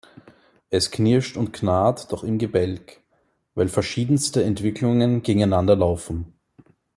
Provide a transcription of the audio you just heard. Es knirscht und knarrt doch im Gebälk, weil verschiedenste Entwicklungen gegeneinander laufen.